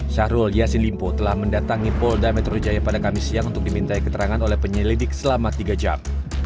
syahrul yassin limpo telah mendatangi polda metro jaya pada kamis siang untuk dimintai keterangan oleh penyelidik selama tiga jam